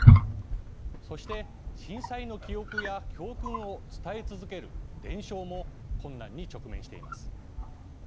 そして、震災の記憶や教訓を伝え続ける伝承も困難に直面しています。